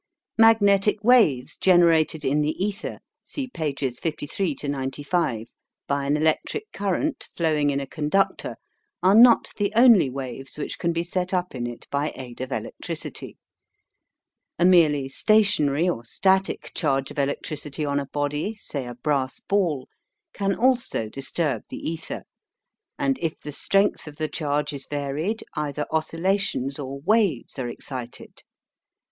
Magnetic waves generated in the ether (see pp. 53 95) by an electric current flowing in a conductor are not the only waves which can be set up in it by aid of electricity. A merely stationary or "static" charge of electricity on a body, say a brass ball, can also disturb the ether; and if the strength of the charge is varied, ether oscillations or waves are excited.